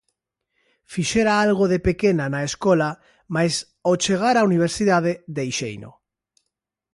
Fixera algo de pequena na escola mais ao chegar á universidade deixeino.